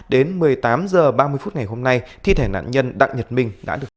đến một mươi tám h ba mươi phút ngày hôm nay thi thể nạn nhân đặng nhật minh đã được cứu